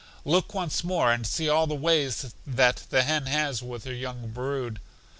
Look once more, and see all the ways that the hen has with her young brood.